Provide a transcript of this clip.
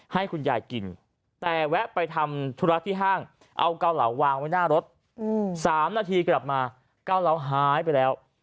ให้คุณยายกินแต่แวะไปทำธุระที่ห้างเอาเกาเหลาวางไว้หน้ารถ๓นาทีกลับมาเกาเหลาหายไปแล้ว